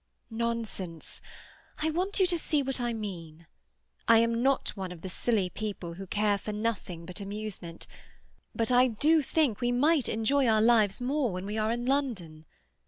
"Nonsense! I want you to see what I mean. I am not one of the silly people who care for nothing but amusement, but I do think we might enjoy our lives more when we are in London.